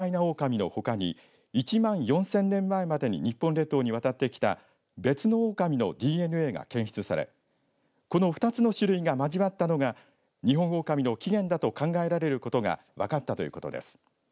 その結果巨大なオオカミのほかに１万４０００年前までに日本列島に渡ってきた別のオオカミのＤＮＡが検出されこの２つの種類が交わったのがニホンオオカミの起源だと考えられることが分かったということです。